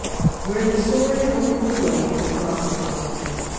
Where the sword had opened the way the cross wiiii followed.